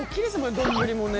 丼もね。